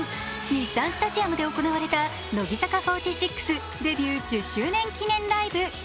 日産スタジアムで行われた乃木坂４６デビュー１０周年記念ライブ。